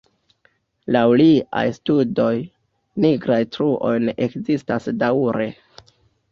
Laŭ liaj studoj, nigraj truoj ne ekzistas daŭre.